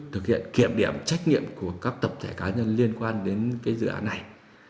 thực hiện kiểm điểm trách nhiệm của các tập thể cá nhân liên quan đến dự án này